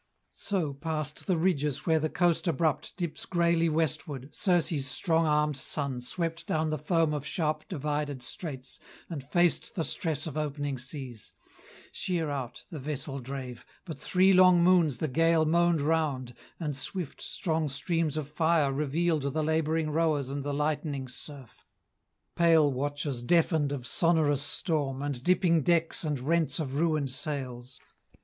So, past the ridges where the coast abrupt Dips greyly westward, Circe's strong armed son Swept down the foam of sharp divided straits And faced the stress of opening seas. Sheer out The vessel drave; but three long moons the gale Moaned round; and swift, strong streams of fire revealed The labouring rowers and the lightening surf, Pale watchers deafened of sonorous storm, And dipping decks and rents of ruined sails.